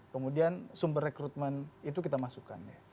kemudian sumber rekrutmen itu kita masukkan